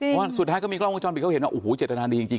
เพราะว่าสุดท้ายก็มีกล้องวงจรปิดเขาเห็นว่าโอ้โหเจตนาดีจริง